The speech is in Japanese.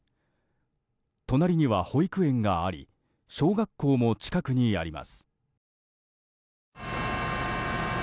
隣には保育園があり小学校も近くにあります。